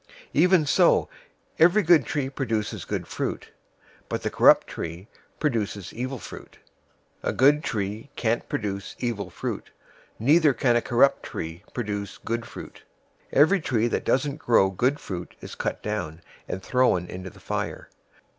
007:017 Even so, every good tree produces good fruit; but the corrupt tree produces evil fruit. 007:018 A good tree can't produce evil fruit, neither can a corrupt tree produce good fruit. 007:019 Every tree that doesn't grow good fruit is cut down, and thrown into the fire.